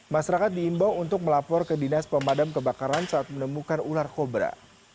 masyarakat diimbau untuk melapor ke dinas pemadam kebakaran saat menemukan ular kobra